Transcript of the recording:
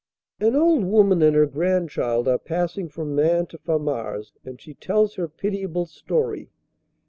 An old woman and her grandchild are passing from Maing to Famars and she tells her pitiable story.